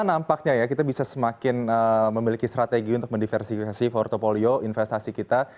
nampaknya ya kita bisa semakin memiliki strategi untuk mendiversifikasi portfolio investasi kita